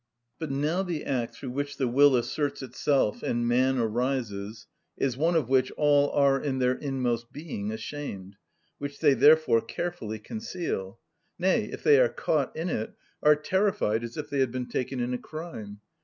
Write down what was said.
But now the act through which the will asserts itself and man arises is one of which all are, in their inmost being, ashamed, which they therefore carefully conceal; nay, if they are caught in it, are terrified as if they had been taken in a crime.